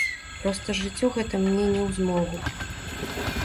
Проста жыццё гэта мне не ў змогу.